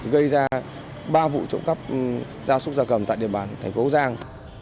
gây ra ba vụ trộm cắp gia súc gia cầm tại địa bàn thành phố giang